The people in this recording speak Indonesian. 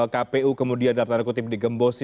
kpu kemudian dikembosi